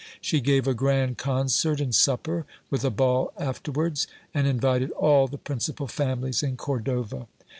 She gave a grand concert and supper, with a ball afterwards, and invited all the principal families in Cor dova.